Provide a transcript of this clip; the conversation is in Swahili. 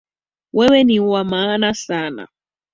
Wewe ni wa maana sana.